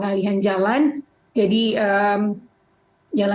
jadi jalan jalan utama yang di dekat corniche kemudian di dekat fan festival di aldo